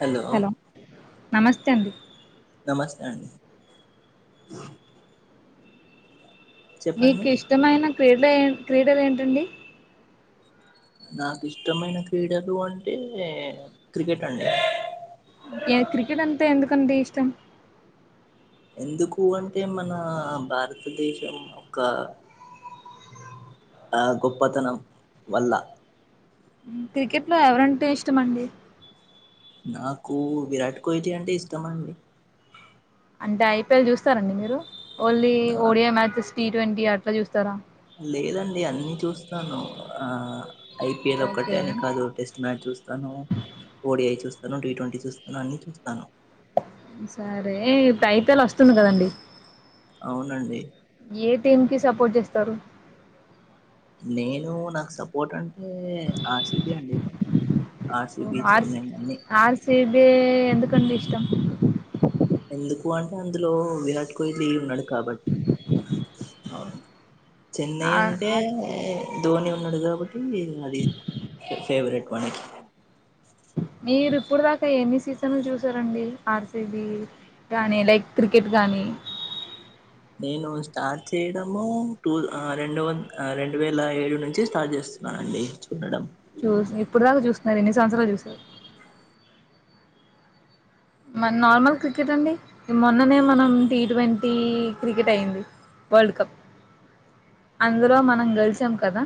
hello నమస్తే అండి నమస్తే అండి చెప్పండి మీకు ఇష్టమైన క్రీడ ఏ క్రీడలు ఏంటండి నాకు ఇష్టమైన క్రీడలు అంటే క్రికెట్ అండి ఎ క్రికెట్ అంతే ఎందుకండి ఇష్టం ఎందుకు అంటే మన భారతదేశం ఒక ఆ గోప్పతనం వల్ల క్రికెట్లో ఎవరంటే ఇష్టం అండి నాకు విరాట్ కోహ్లీ అంటే ఇష్టమండి అంటే ఐపీఎల్ చూస్తారండి మీరు ఓన్లీ ఆ ఓడియా మ్యాచెస్ టీ ట్వంటీ అట్లా చూస్తారా లేదండి అన్ని చూస్తాను ఆ ఐపిఎల్ ఒక్కటే ఓకే అని కాదు టెస్ట్ మ్యాచ్ చూస్తాను ఓడిఐ చూస్తాను టి ట్వంటీ చూస్తాను అన్ని చూస్తాను సరే ఇప్పుడు ఐపిఎల్ వస్తుంది కదండి అవునండి టీమ్కి సపోర్ట్ చేస్తారు నేను నాకు సపోర్ట్ అంటే ఆర్సిబి అండి ఆర్సిబి ఆర్సి చెన్నై అన్ని ఆర్సిబి ఎందుకండి ఇష్టం ఎందుకు అంటే అందులో విరాట్ కోహ్లీ ఉన్నాడు కాబట్టి ఓ, చెన్నై ఆ- అంటే ఆ- ధోని ఉన్నాడు కాబట్టి ఏం లేదు అది ఫేవరెట్ వాళ్ళకి మీరు ఇప్పుడు దాకా ఎన్ని సీజన్లు చూసారండి ఆర్సిబి గాని లైక్ క్రికెట్ గానీ నేను స్టార్ట్ చేయడము టూ రెండు వంద రెండు వేల ఏడు నుంచి స్టార్ట్ చేస్ నాండి చూడడం చూసి ఇప్పుడు దాకా చూస్తార్ ఎన్ని సంవత్సరాలు చూసారు మార్ నార్మల్ క్రికెట్ అండి ఈ మొన్ననే మనం టీ ట్వంటీ క్రికెట్ అయింది వర్ల్డ్ కప్ అందులో మనం గెలిచాం కదా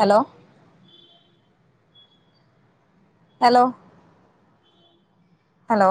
హలో హలో హలో